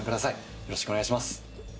よろしくお願いします。